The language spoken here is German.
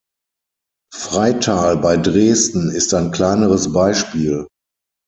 Freital bei Dresden ist ein kleineres Beispiel.